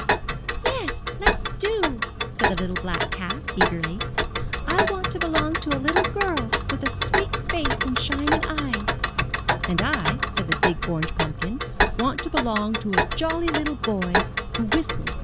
''Yes, let*s do, said the little black cat, eagerly. "I want to belong to a little girl with a sweet face and shining eyes. "And I, said the big orange pumpkin, want to belong to a jolly little boy who whistles and sings *From Tell It Again Stories.